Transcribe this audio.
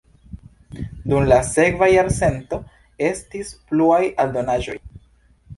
Dum la sekva jarcento estis pluaj aldonaĵoj.